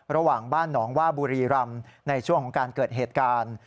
ระหว่างบ้านหนองว่าบุรีรำในช่วงของการเกิดเหตุการณ์